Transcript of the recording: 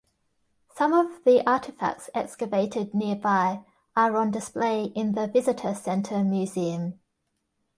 Some of the artifacts excavated nearby are on display in the visitor center museum.